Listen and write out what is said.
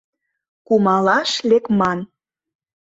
Кумалаш лекман.